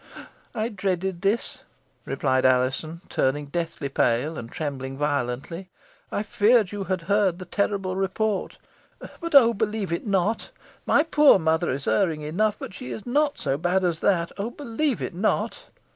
"I dreaded this," replied Alizon, turning deadly pale, and trembling violently, "I feared you had heard the terrible report. But oh, believe it not! My poor mother is erring enough, but she is not so bad as that. Oh, believe it not!"